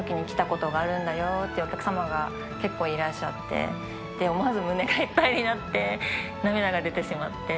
弟がやってたときに来たことがあるんだよっていうお客様が結構いらっしゃって、で、思わず胸がいっぱいになって、涙が出てしまって。